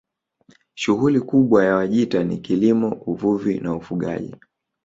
Shughuli kubwa ya Wajita ni kilimo uvuvi na ufugaji